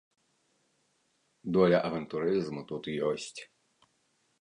Доля авантурызму тут ёсць.